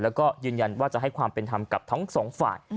แล้วก็ยืนยันว่าจะให้ความเป็นธรรมกับทั้งสองฝ่าย